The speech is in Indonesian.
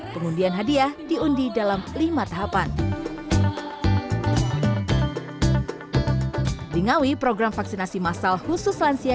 pengundian hadiah diundi dalam lima tahapan di ngawi program vaksinasi massal khusus lansia